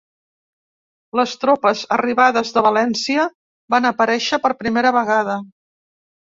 Les tropes arribades de València van aparèixer per primera vegada